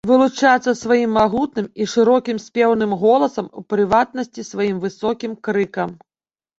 Вылучаецца сваім магутным і шырокім спеўным голасам, у прыватнасці сваім высокім крыкам.